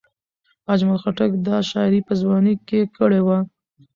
اجمل خټک دا شاعري په ځوانۍ کې کړې وه.